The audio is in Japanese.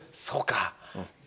そうか。